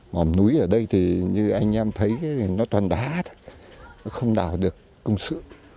mỏm núi ở đây thì như anh em thấy nó toàn đá thôi nó không đào được công sự